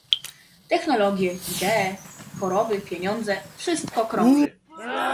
technologie, idee, choroby, pieniądze - wszystko krąży